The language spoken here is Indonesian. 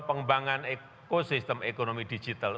pengembangan ekosistem ekonomi digital